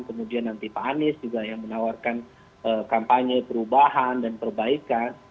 kemudian nanti pak anies juga yang menawarkan kampanye perubahan dan perbaikan